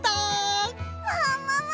ももも！